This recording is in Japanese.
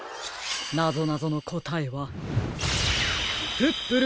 なぞなぞのこたえはプップル